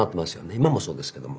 今もそうですけども。